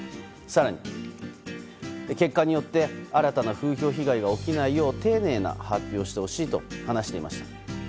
更に、結果によって新たな風評被害が起きないよう丁寧な発表をしてほしいと話していました。